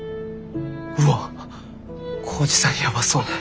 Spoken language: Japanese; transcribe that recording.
うわっ耕治さんやばそう。